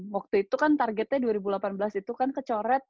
waktu itu kan targetnya dua ribu delapan belas itu kan kecoret